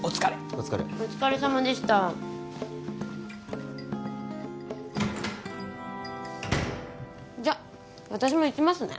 お疲れお疲れさまでしたじゃ私も行きますね